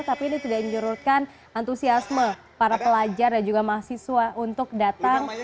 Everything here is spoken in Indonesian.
tapi ini tidak menyuruhkan antusiasme para pelajar dan juga mahasiswa untuk datang